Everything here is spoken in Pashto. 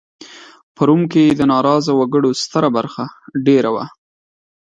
په روم کې د ناراضه وګړو ستره برخه دېره وه